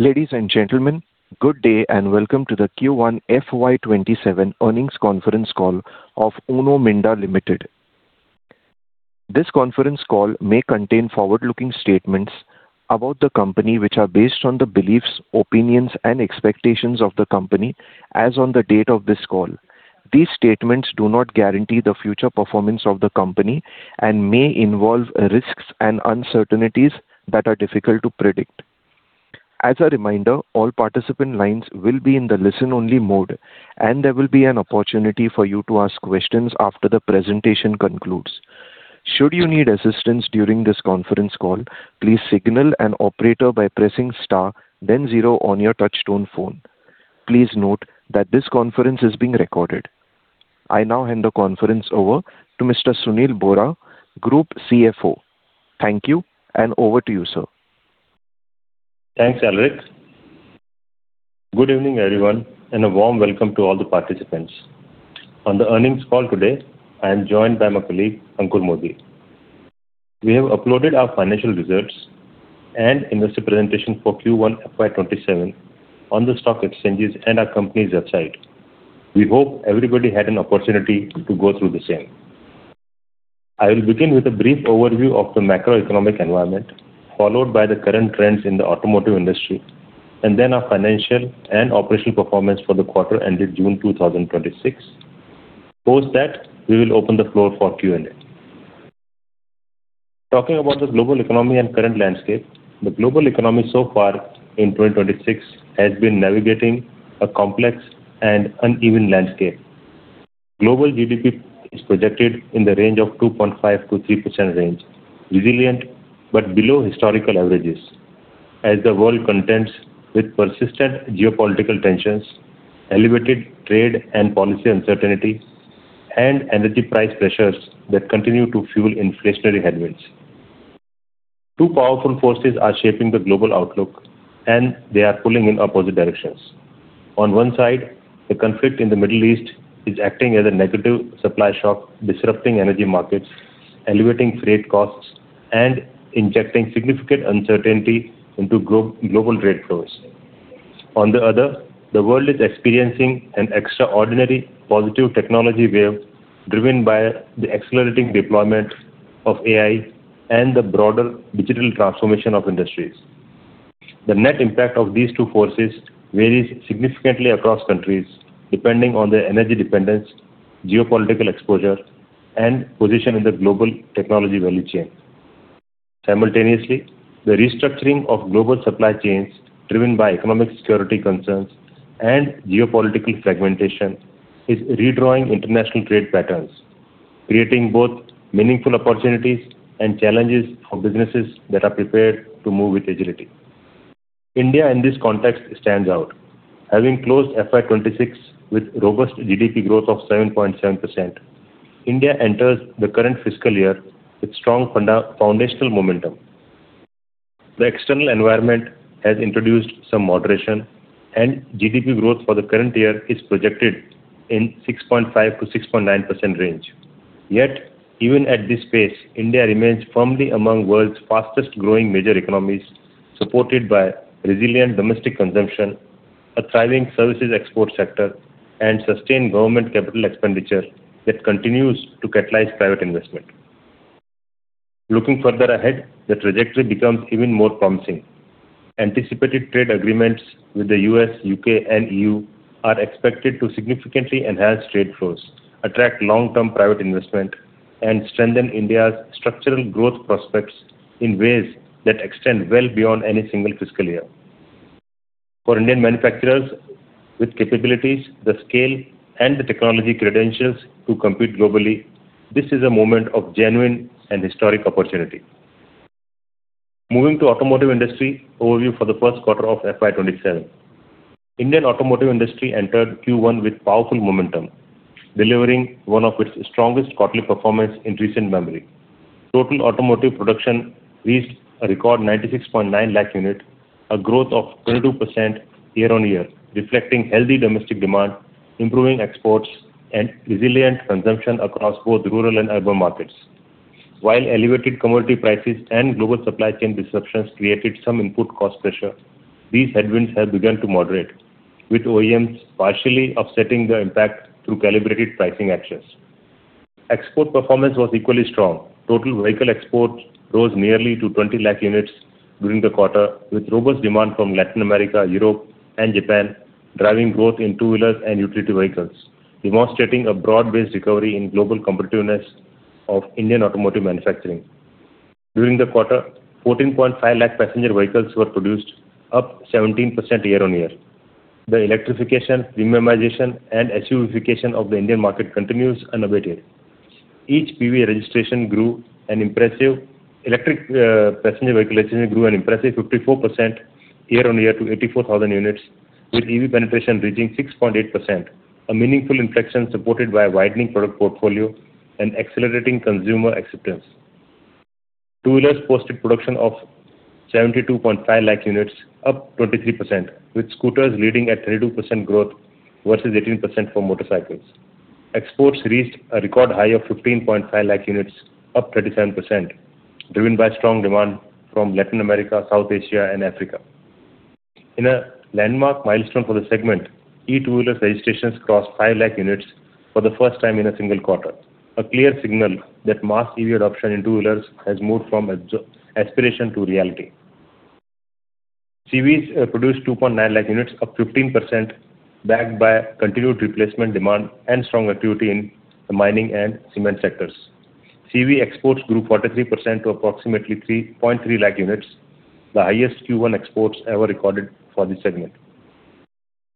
Ladies and gentlemen, good day and welcome to the Q1 FY 2027 earnings conference call of Uno Minda Limited. This conference call may contain forward-looking statements about the company, which are based on the beliefs, opinions, and expectations of the company as on the date of this call. These statements do not guarantee the future performance of the company and may involve risks and uncertainties that are difficult to predict. As a reminder, all participant lines will be in the listen-only mode, and there will be an opportunity for you to ask questions after the presentation concludes. Should you need assistance during this conference call, please signal an operator by pressing star then zero on your touch-tone phone. Please note that this conference is being recorded. I now hand the conference over to Mr. Sunil Bohra, Group CFO. Thank you, and over to you, sir. Thanks, [Alric]. Good evening, everyone, and a warm welcome to all the participants. On the earnings call today, I am joined by my colleague, Ankur Modi. We have uploaded our financial results and investor presentation for Q1 FY 2027 on the stock exchanges and our company's website. We hope everybody had an opportunity to go through the same. I will begin with a brief overview of the macroeconomic environment, followed by the current trends in the automotive industry, and then our financial and operational performance for the quarter ending June 2026. Post that, we will open the floor for Q&A. Talking about the global economy and current landscape, the global economy so far in 2026 has been navigating a complex and uneven landscape. Global GDP is projected in the range of 2.5%-3% range, resilient but below historical averages as the world contends with persistent geopolitical tensions, elevated trade and policy uncertainty, and energy price pressures that continue to fuel inflationary headwinds. Two powerful forces are shaping the global outlook, and they are pulling in opposite directions. On one side, the conflict in the Middle East is acting as a negative supply shock, disrupting energy markets, elevating freight costs, and injecting significant uncertainty into global trade flows. On the other, the world is experiencing an extraordinary positive technology wave driven by the accelerating deployment of AI and the broader digital transformation of industries. The net impact of these two forces varies significantly across countries, depending on their energy dependence, geopolitical exposure, and position in the global technology value chain. Simultaneously, the restructuring of global supply chains driven by economic security concerns and geopolitical fragmentation is redrawing international trade patterns, creating both meaningful opportunities and challenges for businesses that are prepared to move with agility. India, in this context, stands out. Having closed FY 2026 with robust GDP growth of 7.7%, India enters the current fiscal year with strong foundational momentum. The external environment has introduced some moderation, and GDP growth for the current year is projected in 6.5%-6.9% range. Yet even at this pace, India remains firmly among world's fastest-growing major economies, supported by resilient domestic consumption, a thriving services export sector, and sustained government capital expenditure that continues to catalyze private investment. Looking further ahead, the trajectory becomes even more promising. Anticipated trade agreements with the U.S., U.K., and EU, are expected to significantly enhance trade flows, attract long-term private investment, and strengthen India's structural growth prospects in ways that extend well beyond any single fiscal year. For Indian manufacturers with capabilities, the scale, and the technology credentials to compete globally, this is a moment of genuine and historic opportunity. Moving to automotive industry overview for the first quarter of FY 2027. Indian automotive industry entered Q1 with powerful momentum, delivering one of its strongest quarterly performance in recent memory. Total automotive production reached a record 96.9 lakh units, a growth of 22% year-on-year, reflecting healthy domestic demand, improving exports, and resilient consumption across both rural and urban markets. While elevated commodity prices and global supply chain disruptions created some input cost pressure, these headwinds have begun to moderate, with OEMs partially offsetting the impact through calibrated pricing actions. Export performance was equally strong. Total vehicle exports rose nearly to 20 lakh units during the quarter, with robust demand from Latin America, Europe, and Japan driving growth in two-wheelers and utility vehicles, demonstrating a broad-based recovery in global competitiveness of Indian automotive manufacturing. During the quarter, 14.5 lakh passenger vehicles were produced, up 17% year-on-year. The electrification, premiumization, and SUV-ification of the Indian market continues unabated. Electric passenger vehicle registration grew an impressive 54% year-on-year to 84,000 units, with EV penetration reaching 6.8%, a meaningful inflection supported by a widening product portfolio and accelerating consumer acceptance. Two-wheelers posted production of 72.5 lakh units, up 23%, with scooters leading at 32% growth versus 18% for motorcycles. Exports reached a record high of 15.5 lakh units, up 37%, driven by strong demand from Latin America, South Asia and Africa. In a landmark milestone for the segment, e-two-wheeler registrations crossed 5 lakh units for the first time in a single quarter, a clear signal that mass EV adoption in two-wheelers has moved from aspiration to reality. CVs produced 2.9 lakh units, up 15%, backed by continued replacement demand and strong activity in the mining and cement sectors. CV exports grew 43% to approximately 3.3 lakh units, the highest Q1 exports ever recorded for this segment.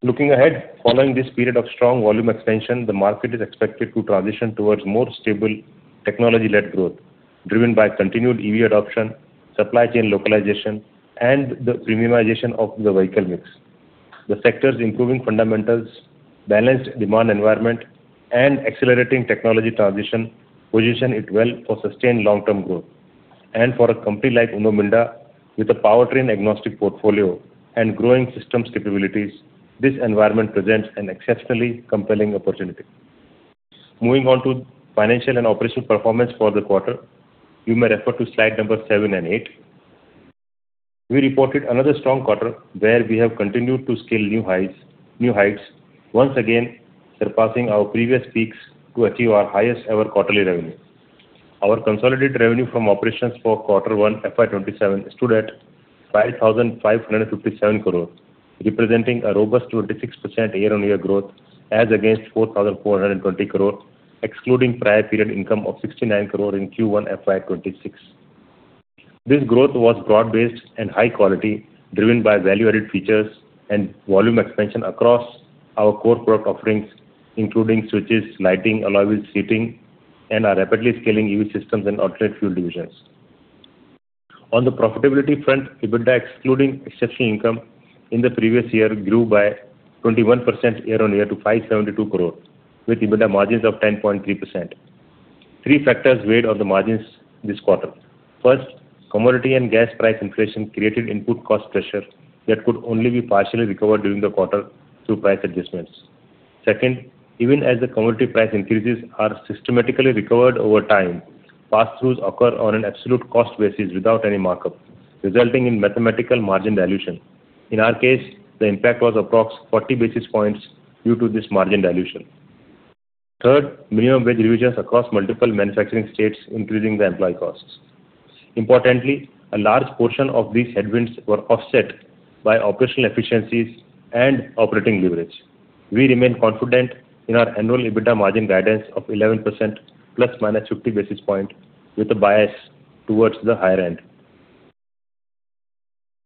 Looking ahead, following this period of strong volume expansion, the market is expected to transition towards more stable technology-led growth, driven by continued EV adoption, supply chain localization, and the premiumization of the vehicle mix. The sector's improving fundamentals, balanced demand environment, and accelerating technology transition position it well for sustained long-term growth. For a company like Uno Minda, with a powertrain-agnostic portfolio and growing systems capabilities, this environment presents an exceptionally compelling opportunity. Moving on to financial and operational performance for the quarter, you may refer to slide number seven and eight. We reported another strong quarter where we have continued to scale new heights, once again surpassing our previous peaks to achieve our highest-ever quarterly revenue. Our consolidated revenue from operations for Q1 FY 2027 stood at 5,557 crore, representing a robust 26% year-on-year growth as against 4,420 crore, excluding prior period income of 69 crore in Q1 FY 2026. This growth was broad-based and high quality, driven by value-added features and volume expansion across our core product offerings, including switches, lighting, alloy wheels, seating, and our rapidly scaling EV systems and Alternate Fuels divisions. On the profitability front, EBITDA excluding exceptional income in the previous year grew by 21% year-on-year to 572 crore, with EBITDA margins of 10.3%. Three factors weighed on the margins this quarter. First, commodity and gas price inflation created input cost pressure that could only be partially recovered during the quarter through price adjustments. Second, even as the commodity price increases are systematically recovered over time, pass-throughs occur on an absolute cost basis without any markup, resulting in mathematical margin dilution. In our case, the impact was approximately 40 basis points due to this margin dilution. Third, minimum wage revisions across multiple manufacturing states, increasing the employee costs. Importantly, a large portion of these headwinds were offset by operational efficiencies and operating leverage. We remain confident in our annual EBITDA margin guidance of 11% ± 50 basis points, with a bias towards the higher end.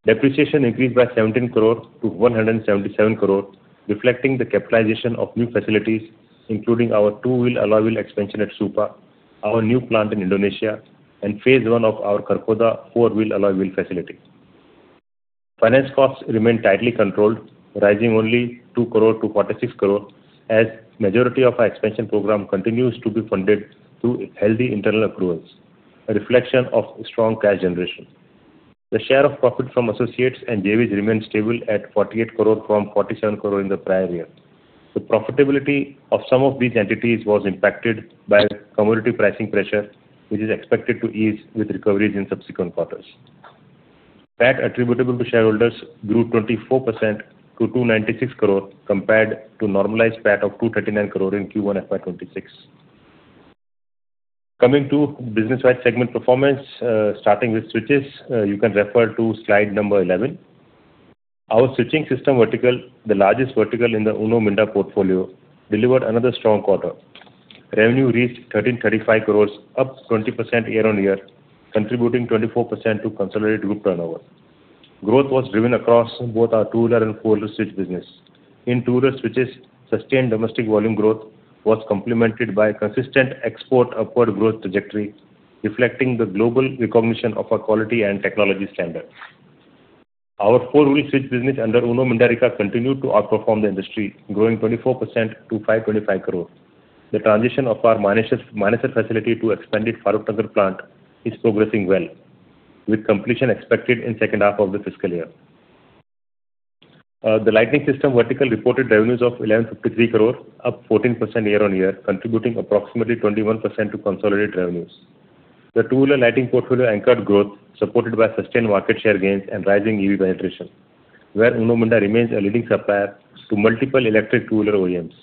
Depreciation increased by 17 crore to 177 crore, reflecting the capitalization of new facilities, including our two-wheel alloy wheel expansion at Supa, our new plant in Indonesia, and Phase 1 of our Kharkhoda four-wheel alloy wheel facility. Finance costs remain tightly controlled, rising only 2 crore to 46 crore, as majority of our expansion program continues to be funded through healthy internal accruals, a reflection of strong cash generation. The share of profit from associates and JVs remains stable at 48 crore from 47 crore in the prior year. The profitability of some of these entities was impacted by commodity pricing pressure, which is expected to ease with recoveries in subsequent quarters. PAT attributable to shareholders grew 24% to 296 crore, compared to normalized PAT of 239 crore in Q1 FY 2026. Coming to business-wide segment performance, starting with switches, you can refer to slide number 11. Our switching system vertical, the largest vertical in the Uno Minda portfolio, delivered another strong quarter. Revenue reached 1,335 crore, up 20% year-on-year, contributing 24% to consolidated group turnover. Growth was driven across both our two-wheeler and four-wheeler switch business. In two-wheeler switches, sustained domestic volume growth was complemented by a consistent export upward growth trajectory, reflecting the global recognition of our quality and technology standards. Our four-wheel switch business under Uno Mindarika continued to outperform the industry, growing 24% to 525 crore. The transition of our Manesar facility to expanded Farukhnagar plant is progressing well, with completion expected in second half of the fiscal year. The lighting system vertical reported revenues of 1,153 crore, up 14% year-on-year, contributing approximately 21% to consolidated revenues. The two-wheeler lighting portfolio anchored growth, supported by sustained market share gains and rising EV penetration, where Uno Minda remains a leading supplier to multiple electric two-wheeler OEMs.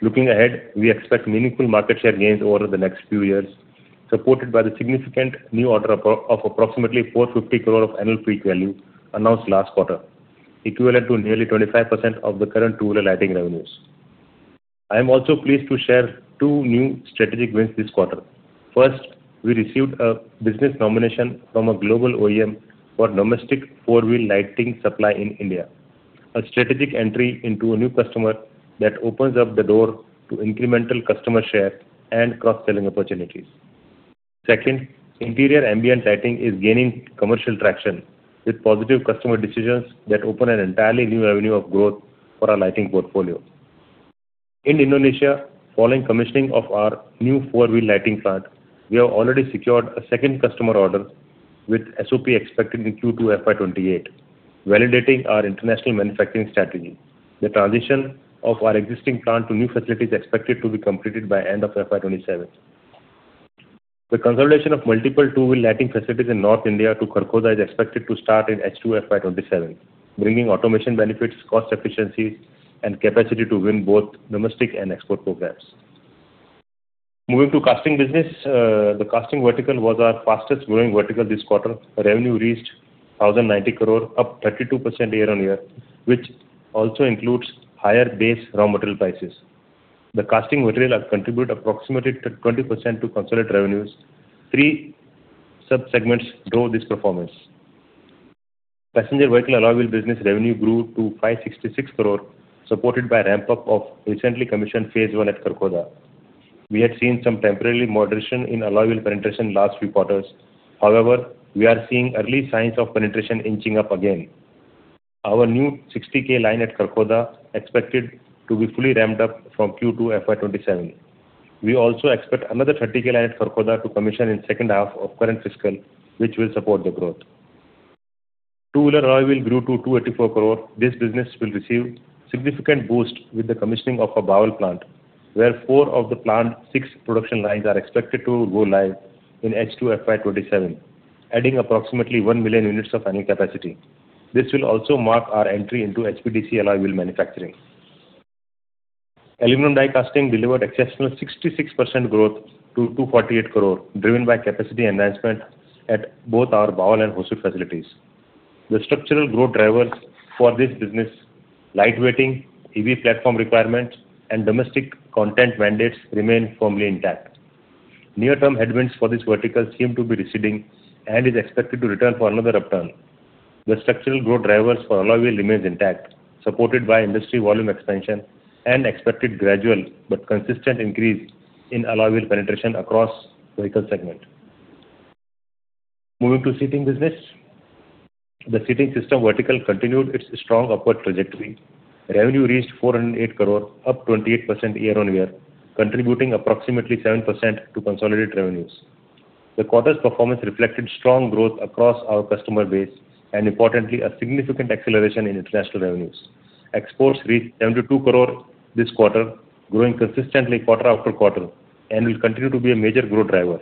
Looking ahead, we expect meaningful market share gains over the next few years, supported by the significant new order of approximately 450 crore of annual peak value announced last quarter, equivalent to nearly 25% of the current two-wheeler lighting revenues. I am also pleased to share two new strategic wins this quarter. First, we received a business nomination from a global OEM for domestic four-wheel lighting supply in India, a strategic entry into a new customer that opens up the door to incremental customer share and cross-selling opportunities. Second, interior ambient lighting is gaining commercial traction with positive customer decisions that open an entirely new avenue of growth for our lighting portfolio. In Indonesia, following commissioning of our new four-wheel lighting plant, we have already secured a second customer order with SOP expected in Q2 FY 2028, validating our international manufacturing strategy. The transition of our existing plant to new facility is expected to be completed by end of FY 2027. The consolidation of multiple two-wheel alloy facilities in North India to Kharkhoda is expected to start in H2 FY 2027, bringing automation benefits, cost efficiencies, and capacity to win both domestic and export programs. Moving to casting business. The casting vertical was our fastest growing vertical this quarter. Revenue reached 1,090 crore, up 32% year-on-year, which also includes higher base raw material prices. The casting material has contributed approximately 20% to consolidate revenues. Three sub-segments drove this performance. Passenger vehicle alloy wheel business revenue grew to 566 crore, supported by ramp-up of recently commissioned Phase 1 at Kharkhoda. We had seen some temporarily moderation in alloy wheel penetration last few quarters. However, we are seeing early signs of penetration inching up again. Our new 60,000 line at Kharkhoda expected to be fully ramped-up from Q2 FY 2027. We also expect another 30,000 line at Kharkhoda to commission in second half of current fiscal, which will support the growth. Two-wheeler alloy wheel grew to 284 crore. This business will receive significant boost with the commissioning of our Bawal plant, where four of the plant six production lines are expected to go live in H2 FY 2027, adding approximately 1 million units of annual capacity. This will also mark our entry into HPDC alloy wheel manufacturing. Aluminum die casting delivered exceptional 66% growth to 248 crore, driven by capacity enhancement at both our Bawal and Hosur facilities. The structural growth drivers for this business, lightweighting, EV platform requirements, and domestic content mandates remain firmly intact. Near-term headwinds for this vertical seem to be receding and is expected to return for another upturn. The structural growth drivers for alloy wheel remains intact, supported by industry volume expansion and expected gradual but consistent increase in alloy wheel penetration across vehicle segment. Moving to seating business. The seating system vertical continued its strong upward trajectory. Revenue reached 408 crore, up 28% year-on-year, contributing approximately 7% to consolidated revenues. The quarter's performance reflected strong growth across our customer base and importantly, a significant acceleration in international revenues. Exports reached 72 crore this quarter, growing consistently quarter-after-quarter and will continue to be a major growth driver,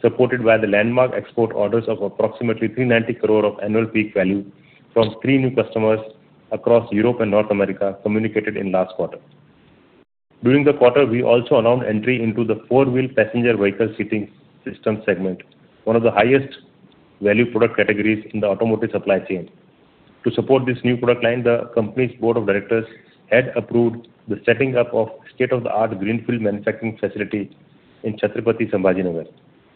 supported by the landmark export orders of approximately 390 crore of annual peak value from three new customers across Europe and North America communicated in last quarter. During the quarter, we also announced entry into the four-wheel passenger vehicle seating system segment, one of the highest value product categories in the automotive supply chain. To support this new product line, the company's Board of Directors had approved the setting up of state-of-the-art greenfield manufacturing facility in Chhatrapati Sambhaji Nagar,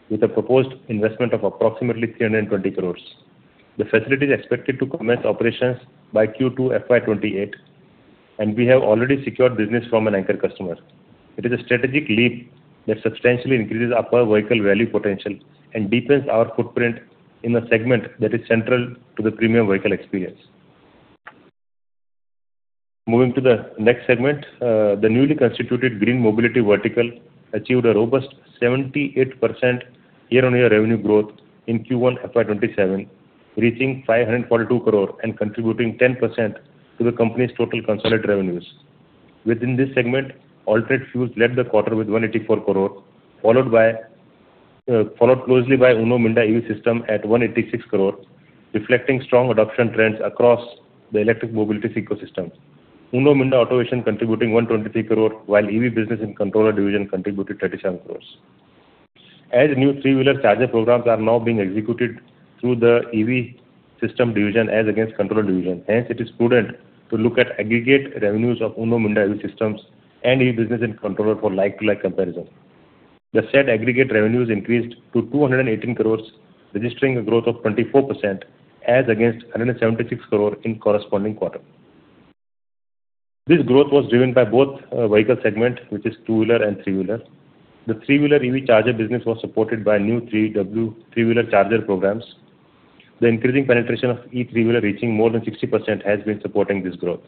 with a proposed investment of approximately 320 crore. The facility is expected to commence operations by Q2 FY 2028, and we have already secured business from an anchor customer. It is a strategic leap that substantially increases our per-vehicle value potential and deepens our footprint in a segment that is central to the premium vehicle experience. Moving to the next segment. The newly constituted Green Mobility vertical achieved a robust 78% year-on-year revenue growth in Q1 FY 2027, reaching 542 crore and contributing 10% to the company's total consolidated revenues. Within this segment, Alternate Fuels led the quarter with 184 crore, followed closely by Uno Minda EV Systems at 186 crore, reflecting strong adoption trends across the electric mobility ecosystem. Uno Minda Automation contributing 123 crore, while EV business and controller division contributed 37 crore. New three-wheeler charger programs are now being executed through the EV Systems division as against controller division. It is prudent to look at aggregate revenues of Uno Minda EV Systems and e-business and controller for like-to-like comparison. The said aggregate revenues increased to 218 crore, registering a growth of 24% as against 176 crore in corresponding quarter. This growth was driven by both vehicle segment, which is two-wheeler and three-wheeler. The three-wheeler EV charger business was supported by new 3W three-wheeler charger programs. The increasing penetration of e-three-wheeler reaching more than 60% has been supporting this growth.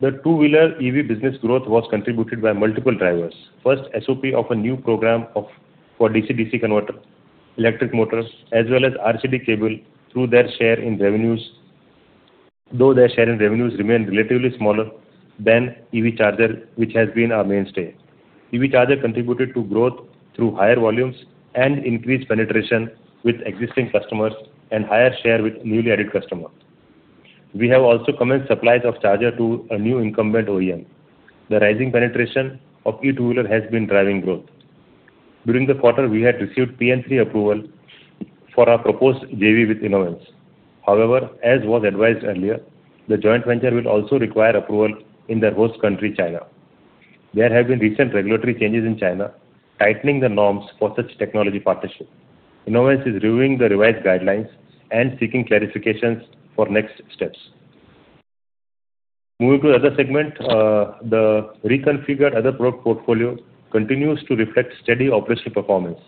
The two-wheeler EV business growth was contributed by multiple drivers. First, SOP of a new program for DC-DC converter electric motors, as well as RCD cable, though their share in revenues remained relatively smaller than EV charger, which has been our mainstay. EV charger contributed to growth through higher volumes and increased penetration with existing customers and higher share with newly added customers. We have also commenced supplies of charger to a new incumbent OEM. The rising penetration of e-two-wheeler has been driving growth. During the quarter, we had received PN3 approval for our proposed JV with Inovance. However, as was advised earlier, the joint venture will also require approval in their host country, China. There have been recent regulatory changes in China, tightening the norms for such technology partnership. Inovance is reviewing the revised guidelines and seeking clarifications for next steps. Moving to other segment, the reconfigured other product portfolio continues to reflect steady operational performance.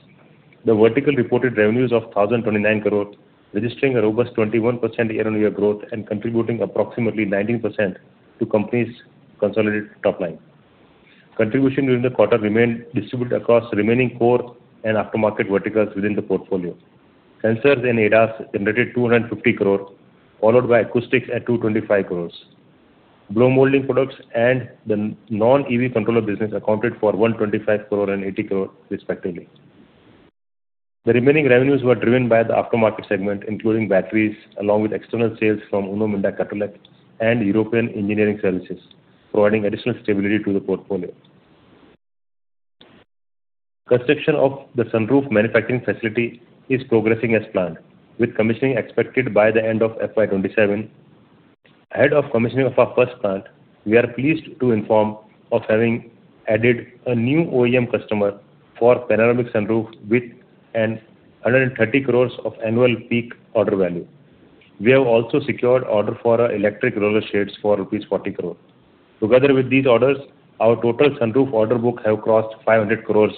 The vertical reported revenues of 1,029 crore, registering a robust 21% year-on-year growth and contributing approximately 19% to company's consolidated top-line. Contribution during the quarter remained distributed across remaining core and aftermarket verticals within the portfolio. Sensors and ADAS generated 250 crore, followed by acoustics at 225 crore. Blow molding products and the non-EV controller business accounted for 125 crore and 80 crore respectively. The remaining revenues were driven by the aftermarket segment, including batteries along with external sales from Uno Minda Katolec and European engineering services, providing additional stability to the portfolio. Construction of the sunroof manufacturing facility is progressing as planned, with commissioning expected by the end of FY 2027. Ahead of commissioning of our first plant, we are pleased to inform of having added a new OEM customer for panoramic sunroof with 130 crore of annual peak order value. We have also secured order for our electric roller shades for rupees 40 crore. Together with these orders, our total sunroof order book have crossed 500 crore.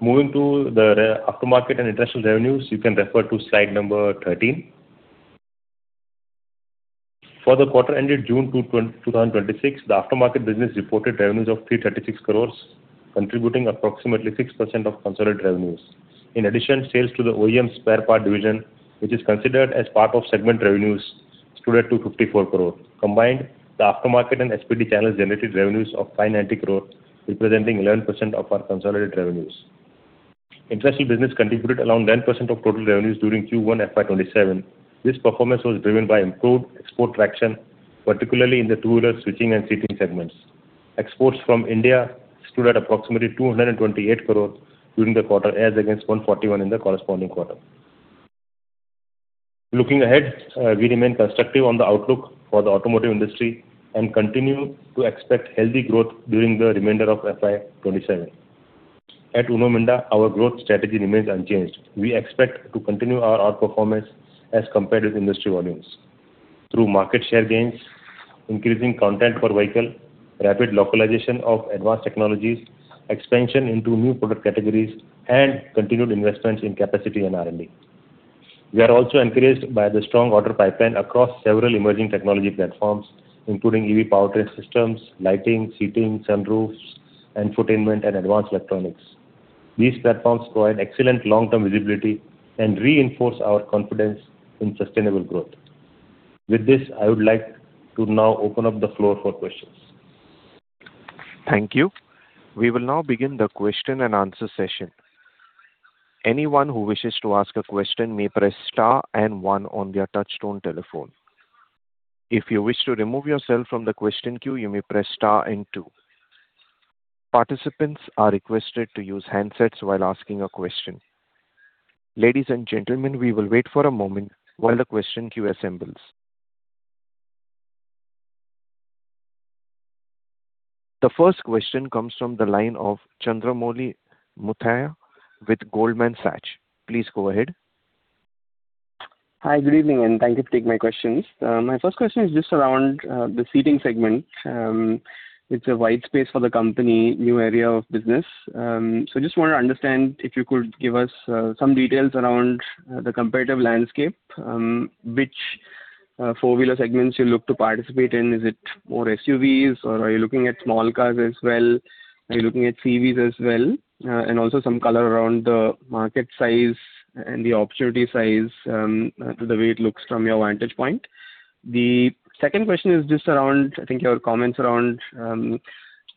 Moving to the aftermarket and international revenues, you can refer to slide number 13. For the quarter ended June 2026, the aftermarket business reported revenues of 336 crore, contributing approximately 6% of consolidated revenues. In addition, sales to the OEM spare part division, which is considered as part of segment revenues, stood at 254 crore. Combined, the aftermarket and HPD channels generated revenues of 590 crore, representing 11% of our consolidated revenues. International business contributed around 9% of total revenues during Q1 FY 2027. This performance was driven by improved export traction, particularly in the two-wheeler switching and seating segments. Exports from India stood at approximately 228 crore during the quarter, as against 141 in the corresponding quarter. Looking ahead, we remain constructive on the outlook for the automotive industry and continue to expect healthy growth during the remainder of FY 2027. At Uno Minda, our growth strategy remains unchanged. We expect to continue our outperformance as compared with industry volumes. Through market share gains, increasing content per vehicle, rapid localization of advanced technologies, expansion into new product categories, and continued investments in capacity and R&D. We are also encouraged by the strong order pipeline across several emerging technology platforms, including EV powertrain systems, lighting, seating, sunroofs, infotainment, and advanced electronics. These platforms provide excellent long-term visibility and reinforce our confidence in sustainable growth. With this, I would like to now open up the floor for questions. Thank you. We will now begin the question-and-answer session. Anyone who wishes to ask a question may press star and one on their touch-tone telephone. If you wish to remove yourself from the question queue, you may press star and two. Participants are requested to use handsets while asking a question. Ladies and gentlemen, we will wait for a moment while the question queue assembles. The first question comes from the line of Chandramouli Muthiah with Goldman Sachs. Please go ahead. Hi. Good evening. Thank you for taking my questions. My first question is just around the seating segment. It's a wide space for the company, new area of business. Just want to understand if you could give us some details around the competitive landscape. Which four-wheeler segments you look to participate in. Is it more SUVs or are you looking at small cars as well? Are you looking at CVs as well? Also some color around the market size and the opportunity size, the way it looks from your vantage point. The second question is just around, I think, your comments around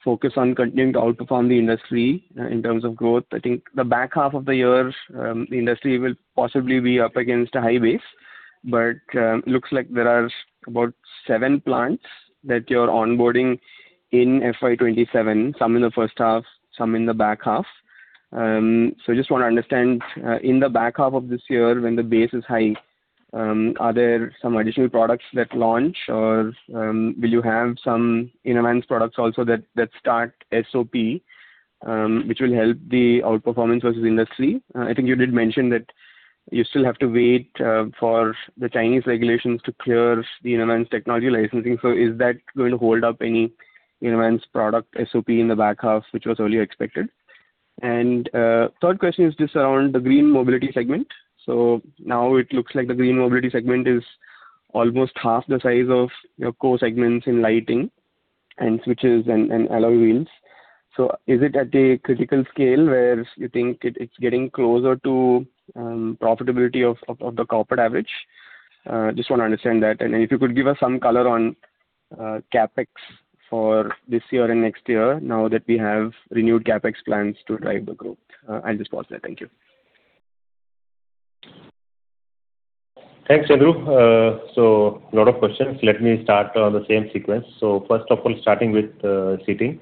focus on continuing to outperform the industry in terms of growth. I think the back half of the year, the industry will possibly be up against a high base. Looks like there are about seven plants that you're onboarding in FY 2027, some in the first half, some in the back half. Just want to understand, in the back half of this year when the base is high, are there some additional products that launch, or will you have some innovative products also that start SOP which will help the outperformance versus industry? I think you did mention that you still have to wait for the Chinese regulations to clear the advanced technology licensing. Is that going to hold up any advanced product SOP in the back half, which was earlier expected? Third question is just around the Green Mobility segment. Now it looks like the Green Mobility segment is almost half the size of your core segments in lighting and switches and alloy wheels. Is it at a critical scale where you think it's getting closer to profitability of the corporate average? Just want to understand that, and if you could give us some color on CapEx for this year and next year now that we have renewed CapEx plans to drive the growth. I'll just pause there. Thank you. Thanks, Chandru. A lot of questions. Let me start on the same sequence. First of all, starting with seating.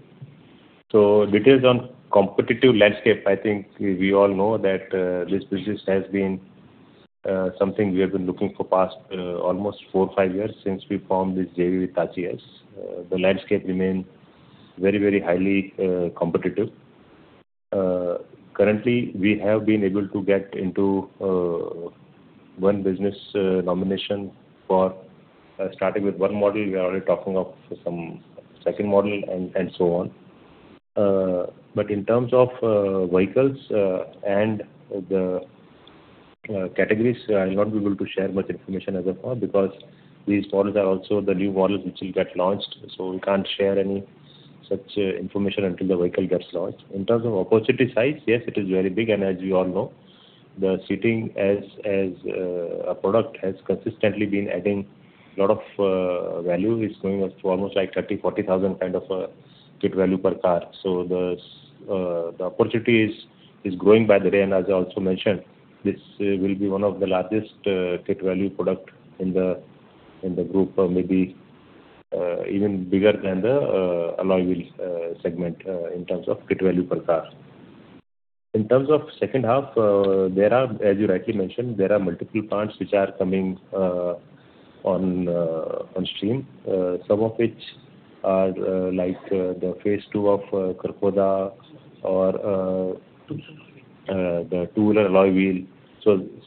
Details on competitive landscape. I think we all know that this business has been something we have been looking for past almost four to five years since we formed this JV with TACHI-S. The landscape remains very, very highly competitive. Currently, we have been able to get into one business nomination for starting with one model. We are already talking of some second model and so on. In terms of vehicles and the categories, I'll not be able to share much information as of now because these models are also the new models which will get launched. We can't share any such information until the vehicle gets launched. In terms of opportunity size, yes, it is very big. As you all know, the seating as a product has consistently been adding a lot of value. It's going up to almost 30,000-40,000 kind of a kit value per car. The opportunity is growing by the day. As I also mentioned, this will be one of the largest kit value product in the group, or maybe even bigger than the alloy wheels segment in terms of kit value per car. In terms of second half, as you rightly mentioned, there are multiple parts which are coming on stream. Some of which are the Phase 2 of Kharkhoda or the two-wheeler alloy wheel.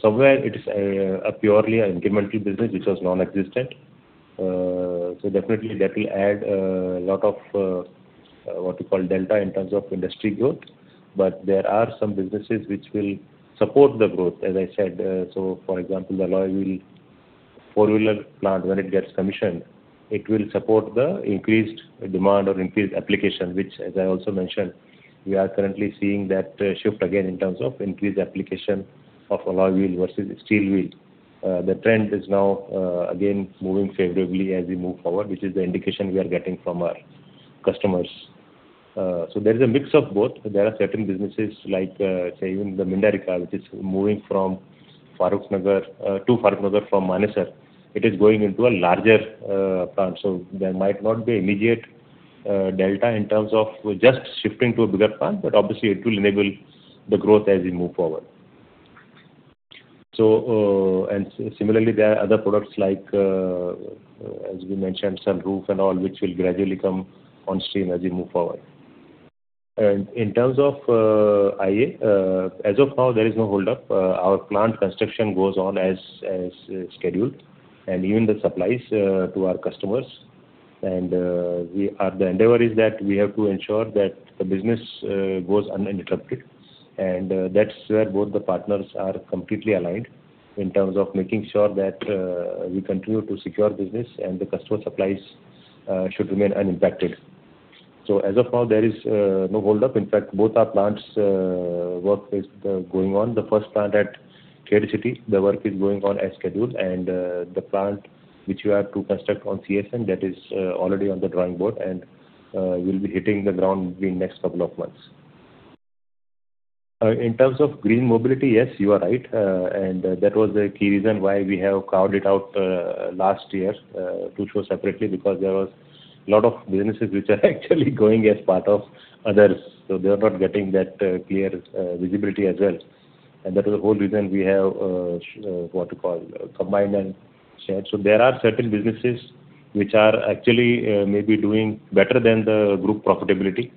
Somewhere it is a purely incremental business which was non-existent. Definitely that will add a lot of, what you call, delta in terms of industry growth. There are some businesses which will support the growth, as I said. For example, the alloy wheel four-wheeler plant, when it gets commissioned, it will support the increased demand or increased application, which, as I also mentioned, we are currently seeing that shift again in terms of increased application of alloy wheel versus steel wheel. The trend is now again moving favorably as we move forward, which is the indication we are getting from our customers. There is a mix of both. There are certain businesses like, say, even the Mindarika, which is moving to Farukhnagar from Manesar. It is going into a larger plant. There might not be immediate delta in terms of just shifting to a bigger plant, obviously it will enable the growth as we move forward. Similarly, there are other products like, as we mentioned, sunroof and all, which will gradually come on stream as we move forward. In terms of IA, as of now, there is no holdup. Our plant construction goes on as scheduled, even the supplies to our customers. The endeavor is that we have to ensure that the business goes uninterrupted. That's where both the partners are completely aligned in terms of making sure that we continue to secure business and the customer supplies should remain unimpacted. As of now, there is no holdup. In fact, both our plants work is going on. The first plant at Sri City, the work is going on as scheduled. The plant which we have to construct on CSM, that is already on the drawing board, will be hitting the ground within next couple of months. In terms of green mobility, yes, you are right. That was the key reason why we have carved it out last year to show separately, because there was lot of businesses which are actually going as part of others. They are not getting that clear visibility as well. That was the whole reason we have, what to call, combined and shared. There are certain businesses which are actually maybe doing better than the group profitability.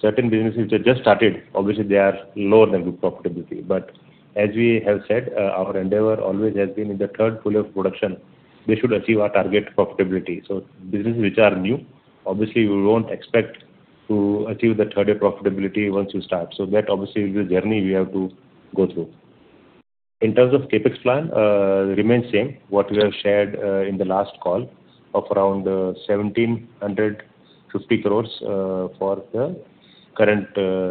Certain businesses which have just started, obviously they are lower than group profitability. But as we have said, our endeavor always has been in the third full year of production, they should achieve our target profitability. Businesses which are new, obviously we won't expect to achieve the third year profitability once you start. That obviously will be a journey we have to go through. In terms of CapEx plan, remains same, what we have shared in the last call of around 1,750 crore for the current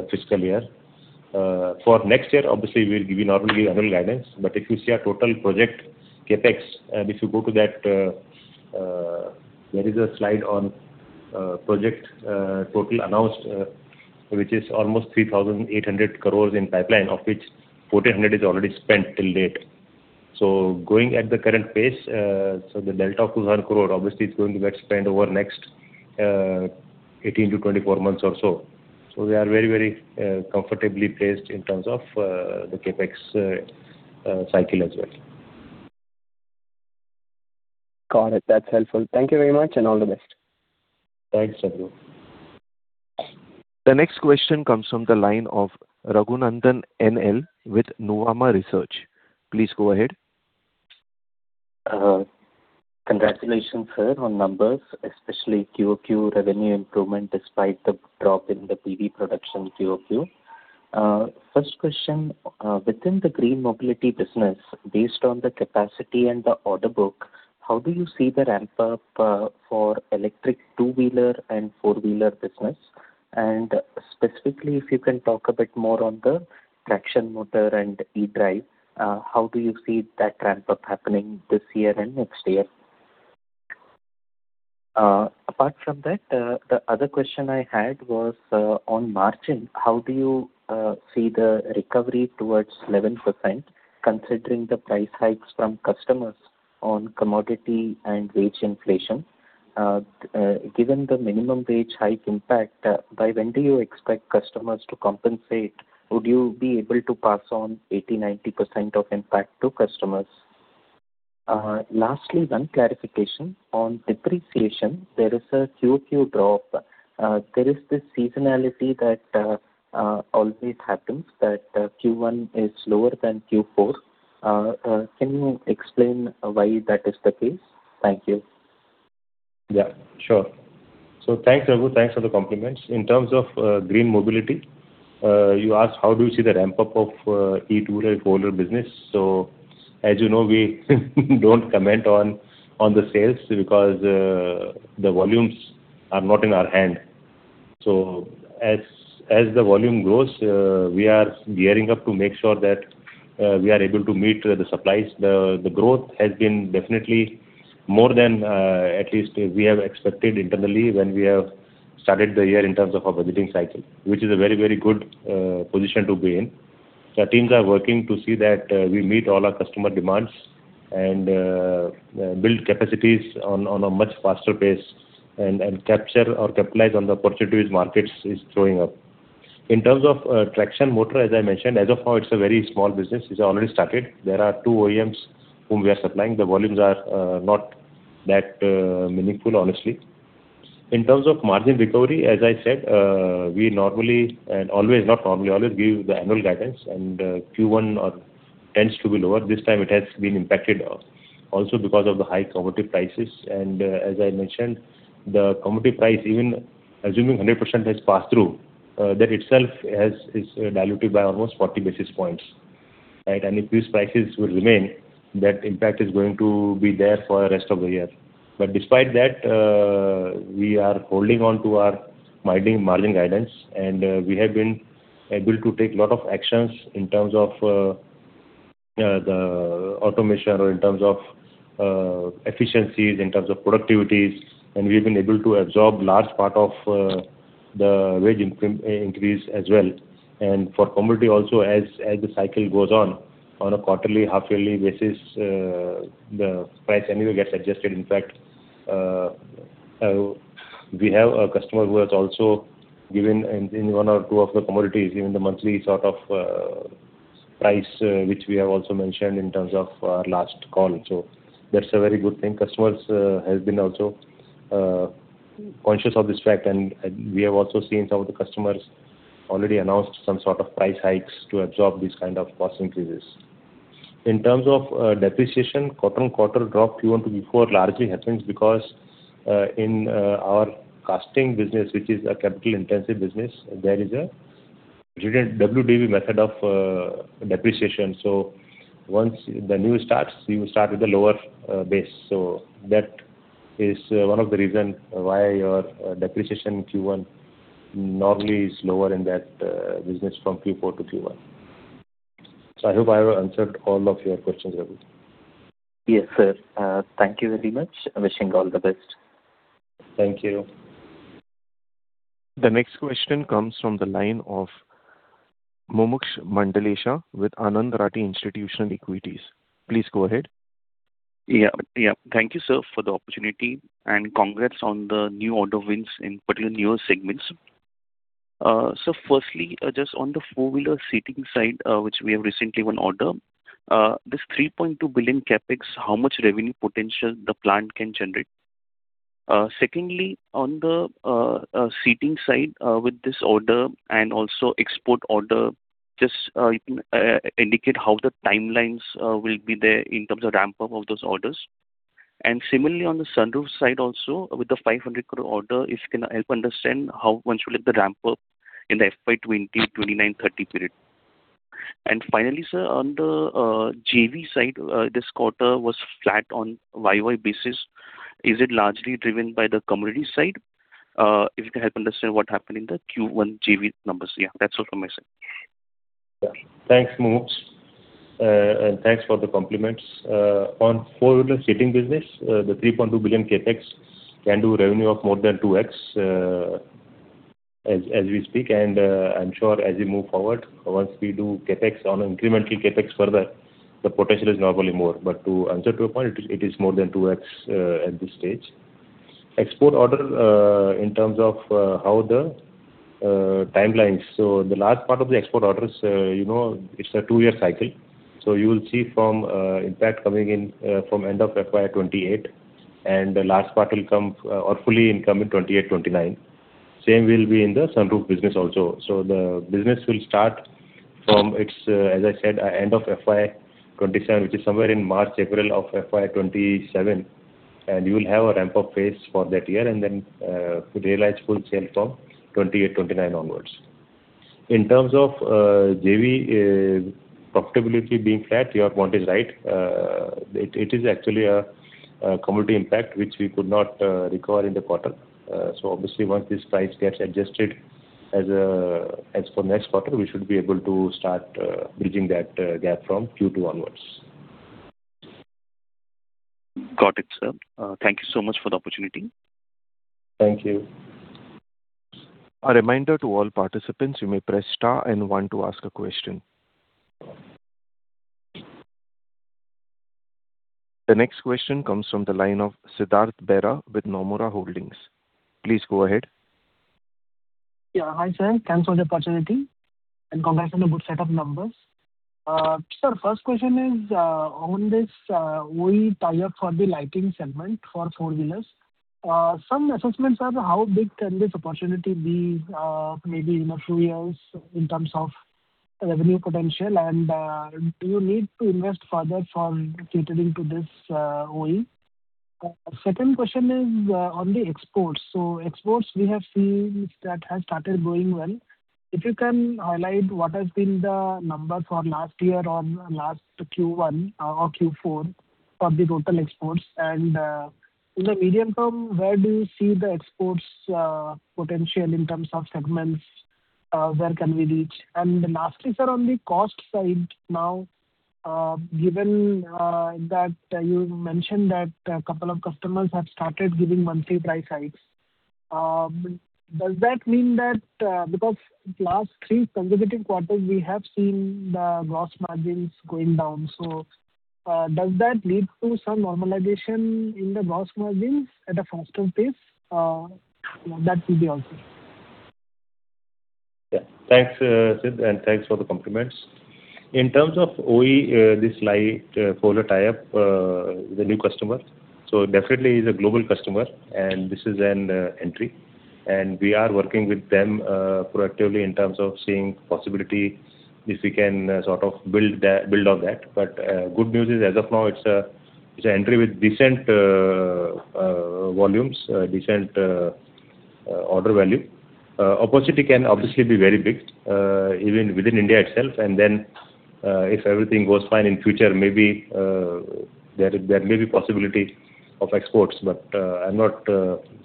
fiscal year. For next year, obviously we'll give you normal annual guidance. If you see our total project CapEx, if you go to that, there is a slide on project total announced, which is almost 3,800 crore in pipeline, of which 1,400 crore is already spent till date. Going at the current pace, the delta of 200 crore obviously is going to get spent over next 18-24 months or so. We are very comfortably placed in terms of the CapEx cycle as well. Got it. That's helpful. Thank you very much, and all the best. Thanks, Chandru. The next question comes from the line of Raghunandan NL with Nuvama Research. Please go ahead. Congratulations, sir, on numbers, especially Q-o-Q revenue improvement despite the drop in the PV production Q-o-Q. First question, within the green mobility business, based on the capacity and the order book, how do you see the ramp-up for electric two-wheeler and four-wheeler business? Specifically, if you can talk a bit more on the traction motor and eDrive, how do you see that ramp-up happening this year and next year? Apart from that, the other question I had was, on margin, how do you see the recovery towards 11%, considering the price hikes from customers on commodity and wage inflation? Given the minimum wage hike impact, by when do you expect customers to compensate? Would you be able to pass on 80-90% of impact to customers? Lastly, one clarification. On depreciation, there is a Q-o-Q drop. There is this seasonality that always happens that Q1 is lower than Q4. Can you explain why that is the case? Thank you. Thanks, Raghu. Thanks for the compliments. In terms of green mobility, you asked how do you see the ramp-up of e-two-wheeler and four-wheeler business. As you know, we don't comment on the sales because the volumes are not in our hand. As the volume grows, we are gearing up to make sure that we are able to meet the supplies. The growth has been definitely more than at least we have expected internally when we have started the year in terms of our visiting cycle, which is a very good position to be in. Our teams are working to see that we meet all our customer demands and build capacities on a much faster pace and capture or capitalize on the opportunities markets is throwing up. In terms of traction motor, as I mentioned, as of now, it's a very small business. It's already started. There are two OEMs whom we are supplying. The volumes are not that meaningful, honestly. In terms of margin recovery, as I said, we always give the annual guidance and Q1 tends to be lower. This time it has been impacted also because of the high commodity prices. As I mentioned, the commodity price, even assuming 100% has passed through, that itself is diluted by almost 40 basis points. Right? If these prices will remain, that impact is going to be there for the rest of the year. Despite that, we are holding on to our molding margin guidance, and we have been able to take lot of actions in terms of the automation or in terms of efficiencies, in terms of productivities. We've been able to absorb large part of the wage increase as well. For commodity also, as the cycle goes on a quarterly, half yearly basis, the price anyway gets adjusted. In fact, we have a customer who has also given in one or two of the commodities, even the monthly sort of price, which we have also mentioned in terms of our last call. That's a very good thing. Customers have been also conscious of this fact, and we have also seen some of the customers already announced some sort of price hikes to absorb these kind of cost increases. In terms of depreciation, quarter-on-quarter drop Q1 to Q4 largely happens because in our casting business, which is a capital intensive business, there is a WDV method of depreciation. Once the new starts, you start with a lower base. That is one of the reason why your depreciation in Q1 normally is lower in that business from Q4 to Q1. I hope I have answered all of your questions, Raghu. Yes, sir. Thank you very much. Wishing you all the best. Thank you. The next question comes from the line of Mumuksh Mandlesha with Anand Rathi Institutional Equities. Please go ahead. Yeah. Thank you, sir, for the opportunity and congrats on the new order wins in particular newer segments. Sir, firstly, just on the four-wheeler seating side, which we have recently won order, this 3.2 billion CapEx, how much revenue potential the plant can generate? Secondly, on the seating side, with this order and also export order, just indicate how the timelines will be there in terms of ramp-up of those orders. Similarly, on the sunroof side also, with the 500 crore order, if you can help understand how one should look at the ramp-up in the FY 2029-2030 period. Finally, sir, on the JV side, this quarter was flat on Y-o-Y basis. Is it largely driven by the commodity side? If you can help understand what happened in the Q1 JV numbers. Yeah, that's all from my side. Yeah. Thanks, Mumuksh. Thanks for the compliments. On four-wheeler seating business, the 3.2 billion CapEx can do revenue of more than 2x, as we speak, and I'm sure as we move forward, once we do CapEx on incremental CapEx further, the potential is normally more. To answer to your point, it is more than 2x at this stage. Export order in terms of how the timelines. The large part of the export orders, it's a two-year cycle. You will see from impact coming in from end of FY 2028, and the last part will come or fully in coming 2028-2029. Same will be in the sunroof business also. The business will start from its, as I said, end of FY 2027, which is somewhere in March-April of FY 2027. You will have a ramp-up phase for that year and then could realize full sale from 2028-2029 onwards. In terms of JV profitability being flat, your point is right. It is actually a commodity impact, which we could not recover in the quarter. Obviously, once this price gets adjusted as for next quarter, we should be able to start bridging that gap from Q2 onwards. Got it, sir. Thank you so much for the opportunity. Thank you. A reminder to all participants, you may press star and one to ask a question. The next question comes from the line of Siddhartha Bera with Nomura Holdings. Please go ahead. Yeah. Hi, sir. Thanks for the opportunity and congrats on the good set of numbers. Sir, first question is, on this OE tie-up for the lighting segment for four-wheelers. Some assessments of how big can this opportunity be maybe in a few years in terms of revenue potential, and do you need to invest further for catering to this OE? Exports, we have seen that has started going well. If you can highlight what has been the number for last year on last Q1 or Q4 for the total exports. In the medium-term, where do you see the exports potential in terms of segments? Where can we reach? Lastly, sir, on the cost side now, given that you mentioned that a couple of customers have started giving monthly price hikes, does that mean that because last three consecutive quarters, we have seen the gross margins going down. Does that lead to some normalization in the gross margins at a faster pace? That will be all, sir. Yeah. Thanks, Sid, and thanks for the compliments. In terms of OE, this light four-wheeler tie-up, the new customer. Definitely he's a global customer, and this is an entry. We are working with them proactively in terms of seeing possibility, if we can sort of build on that. Good news is, as of now, it's an entry with decent volumes, decent order value. Opportunity can obviously be very big, even within India itself. If everything goes fine in future, maybe there may be possibility of exports. I'm not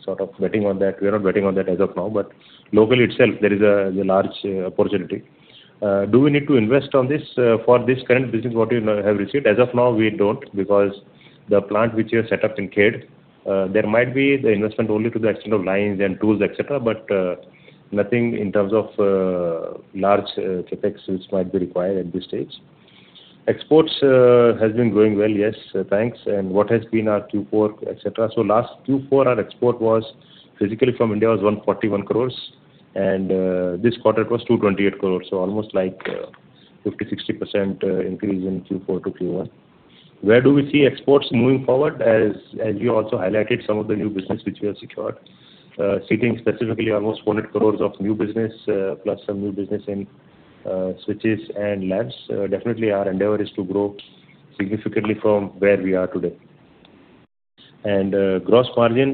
sort of betting on that. We are not betting on that as of now. Locally itself, there is a large opportunity. Do we need to invest on this for this current business what we have received? As of now, we don't. Because the plant which we have set up in Khed, there might be the investment only to the extent of lines and tools, et cetera. Nothing in terms of large CapEx which might be required at this stage. Exports has been going well, yes. Thanks. What has been our Q4, et cetera. Last Q4, our export physically from India was 141 crore, and this quarter it was 228 crore. Almost like 50%-60% increase in Q4 to Q1. Where do we see exports moving forward? As you also highlighted, some of the new business which we have secured, sitting specifically almost 100 crore of new business, plus some new business in switches and lamps, definitely our endeavor is to grow significantly from where we are today. Gross margin,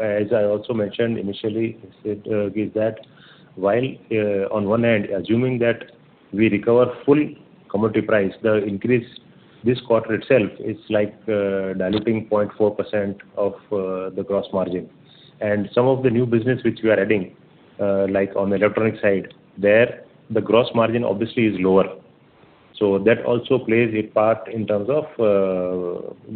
as I also mentioned initially, Sid, is that while on one hand, assuming that we recover full commodity price, the increase this quarter itself is like diluting 0.4% of the gross margin. Some of the new business which we are adding, like on the electronic side, there, the gross margin obviously is lower. That also plays a part in terms of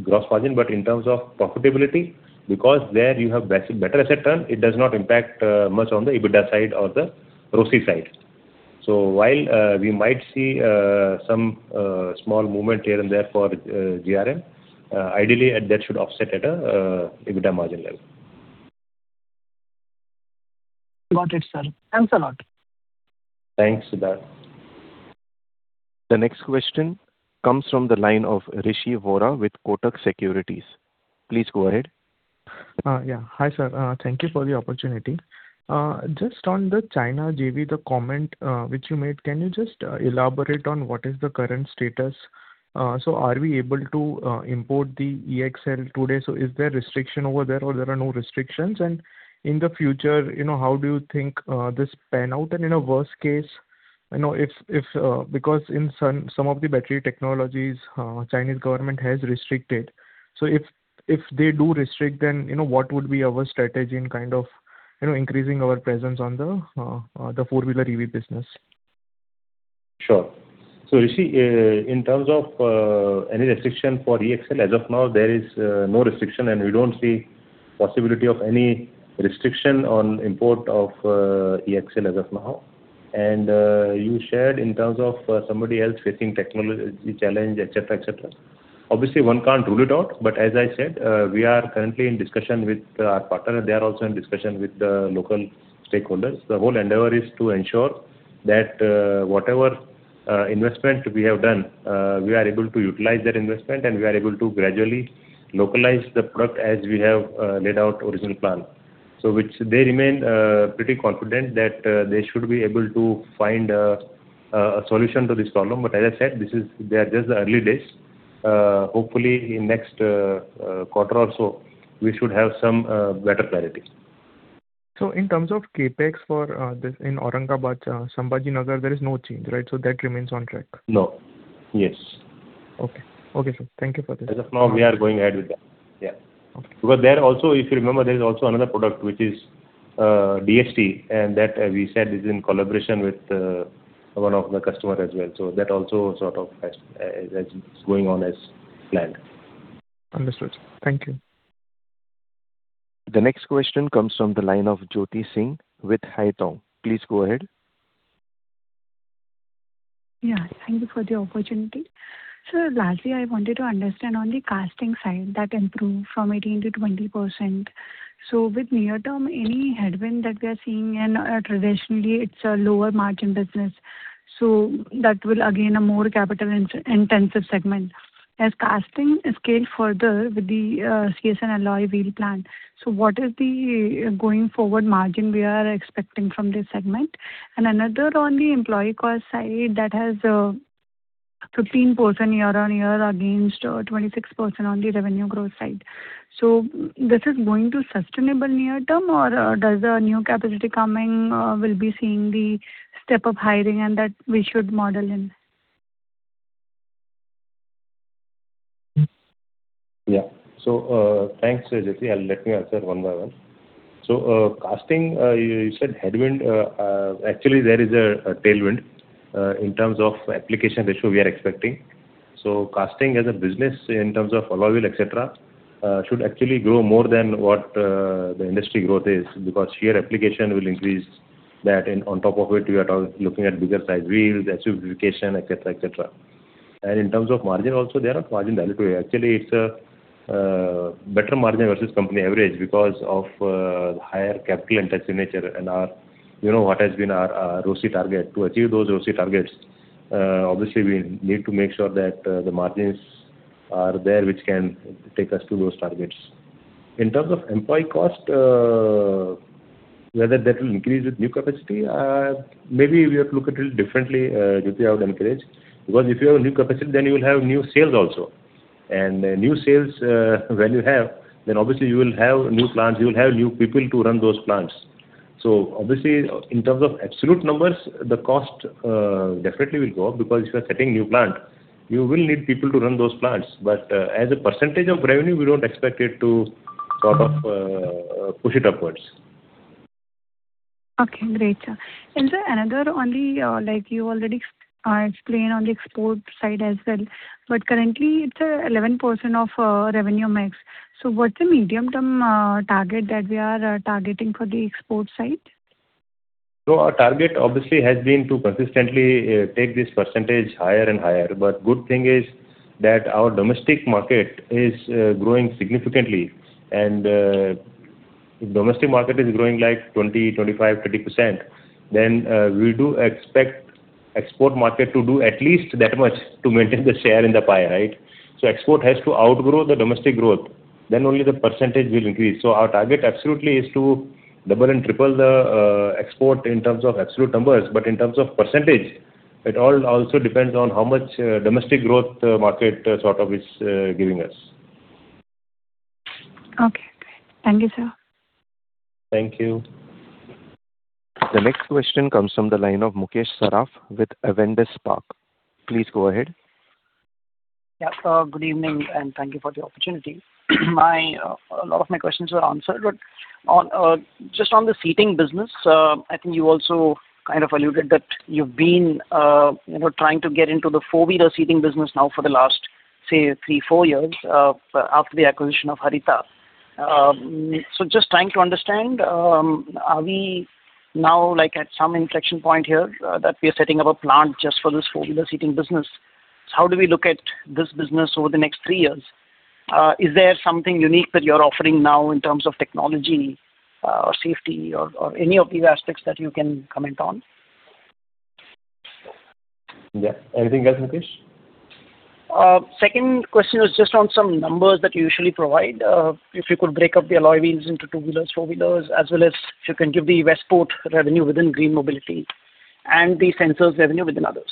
gross margin. In terms of profitability, because there you have better asset turn, it does not impact much on the EBITDA side or the ROCE side. While we might see some small movement here and there for GRM, ideally that should offset at a EBITDA margin level. Got it, sir. Thanks a lot. Thanks, Siddharth. The next question comes from the line of Rishi Vora with Kotak Securities. Please go ahead. Yeah. Hi, sir. Thank you for the opportunity. Just on the China JV, the comment which you made, can you just elaborate on what is the current status? Are we able to import the E-Axle today? Is there restriction over there or there are no restrictions? In the future, how do you think this pan out? In a worst case, because in some of the battery technologies, Chinese government has restricted. If they do restrict, then what would be our strategy in kind of increasing our presence on the four-wheeler EV business? Sure. Rishi, in terms of any restriction for E-Axle, as of now, there is no restriction, and we don't see possibility of any restriction on import of E-Axle as of now. You shared in terms of somebody else facing technology challenge, et cetera. Obviously, one can't rule it out, but as I said, we are currently in discussion with our partner. They are also in discussion with the local stakeholders. The whole endeavor is to ensure that whatever investment we have done, we are able to utilize that investment, and we are able to gradually localize the product as we have laid out original plan. They remain pretty confident that they should be able to find a solution to this problem. As I said, they are just the early days. Hopefully, in next quarter or so, we should have some better clarity. In terms of CapEx in Aurangabad, Sambhaji Nagar, there is no change, right? That remains on track. No. Yes. Okay. Okay, sir. Thank you for this. As of now, we are going ahead with that. Yeah. Okay. There also, if you remember, there is also another product, which is DST, and that we said is in collaboration with one of the customer as well. That also sort of is going on as planned. Understood, sir. Thank you. The next question comes from the line of Jyoti Singh with Haitong. Please go ahead. Thank you for the opportunity. Sir, lastly, I wanted to understand on the casting side that improved from 18%-20%. With near-term, any headwind that we are seeing and traditionally it's a lower margin business, that will again a more capital-intensive segment. As casting scale further with the [inaudible] and alloy wheel plan, what is the going forward margin we are expecting from this segment? Another on the employee cost side 13% year-on-year against 26% on the revenue growth side. This is going to sustainable near-term, or does the new capacity coming, we'll be seeing the step-up hiring and that we should model in? Thanks, Jyoti. Let me answer one-by-one. Casting, you said headwind. Actually, there is a tailwind, in terms of application ratio we are expecting. Casting as a business in terms of alloy wheel, et cetera, should actually grow more than what the industry growth is, because sheer application will increase that. On top of it, we are looking at bigger size wheels, SUVification, et cetera. In terms of margin also, there are margin value to it. Actually, it's a better margin versus company average because of higher capital intensity nature and what has been our ROCE target. To achieve those ROCE targets, obviously, we need to make sure that the margins are there which can take us to those targets. In terms of employee cost, whether that will increase with new capacity, maybe we have to look at it differently, Jyoti, I would encourage. If you have a new capacity, then you will have new sales also. New sales, when you have, then obviously you will have new plants, you will have new people to run those plants. Obviously, in terms of absolute numbers, the cost definitely will go up because if you are setting new plant, you will need people to run those plants. As a % of revenue, we don't expect it to sort of push it upwards. Okay, great. Sir, another on the, like you already explained on the export side as well, but currently it's 11% of revenue mix. What's the medium-term target that we are targeting for the export side? Our target obviously has been to consistently take this percentage higher and higher. Good thing is that our domestic market is growing significantly, and if domestic market is growing like 20%-25%-30%, then we do expect export market to do at least that much to maintain the share in the pie. Export has to outgrow the domestic growth, then only the percentage will increase. Our target absolutely is to double and triple the export in terms of absolute numbers, but in terms of percentage, it all also depends on how much domestic growth market sort of is giving us. Okay, great. Thank you, sir. Thank you. The next question comes from the line of Mukesh Saraf with Avendus Spark. Please go ahead. Yeah. Good evening, and thank you for the opportunity. A lot of my questions were answered, but just on the seating business, I think you also kind of alluded that you've been trying to get into the four-wheeler seating business now for the last, say, three to four years, after the acquisition of Harita. Just trying to understand, are we now at some inflection point here that we are setting up a plant just for this four-wheeler seating business? How do we look at this business over the next three years? Is there something unique that you're offering now in terms of technology or safety or any of these aspects that you can comment on? Yeah. Anything else, Mukesh? Second question was just on some numbers that you usually provide. If you could break up the alloy wheels into two-wheelers, four-wheelers, as well as if you can give the Westport revenue within green mobility and the sensors revenue within others.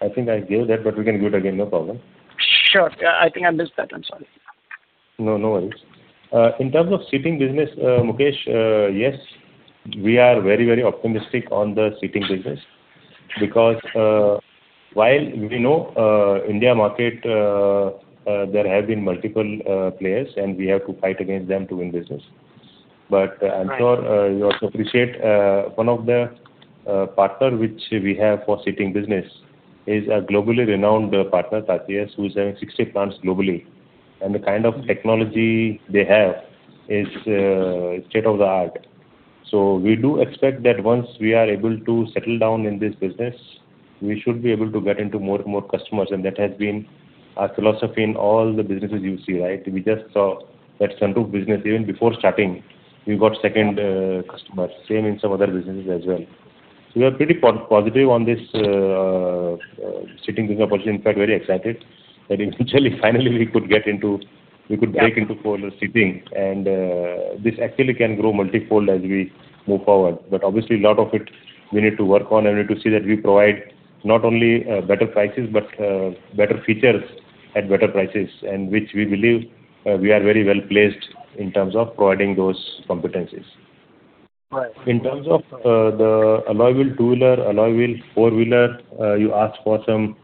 I think I gave that. We can give it again, no problem. Sure. I think I missed that. I'm sorry. No worries. In terms of seating business, Mukesh, yes, we are very optimistic on the seating business because while we know India market, there have been multiple players, and we have to fight against them to win business. I'm sure you also appreciate one of the partner which we have for seating business is a globally renowned partner, Tachi-S, who is having 60 plants globally. The kind of technology they have is state-of-the-art. We do expect that once we are able to settle down in this business, we should be able to get into more customers, and that has been our philosophy in all the businesses you see. We just saw that sunroof business, even before starting, we got second customer. Same in some other businesses as well. We are pretty positive on this seating business opportunity. In fact, very excited that eventually finally we could break into four-wheeler seating. This actually can grow multifold as we move forward. Obviously, lot of it we need to work on and we need to see that we provide not only better prices, but better features at better prices. Which we believe we are very well placed in terms of providing those competencies. Right. In terms of the alloy wheel two-wheeler, alloy wheel four-wheeler, you asked for some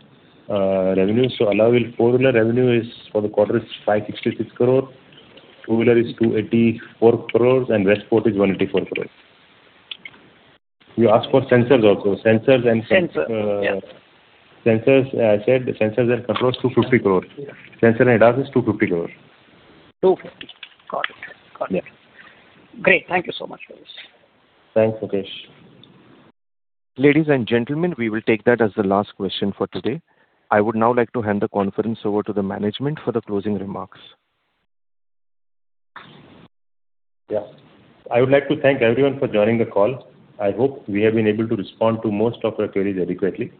revenues. Alloy wheel four-wheeler revenue for the quarter is 566 crore. Two-wheeler is 284 crore, Westport is 184 crore. You asked for sensors also. Sensor, yeah. Sensors and ADAS is 250 crore. 250 crore. Got it. Yeah. Great. Thank you so much for this. Thanks, Mukesh. Ladies and gentlemen, we will take that as the last question for today. I would now like to hand the conference over to the management for the closing remarks. Yeah. I would like to thank everyone for joining the call. I hope we have been able to respond to most of your queries adequately.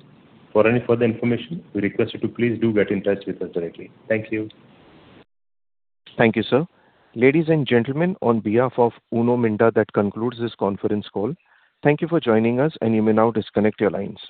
For any further information, we request you to please do get in touch with us directly. Thank you. Thank you, sir. Ladies and gentlemen, on behalf of Uno Minda, that concludes this conference call. Thank you for joining us, and you may now disconnect your line.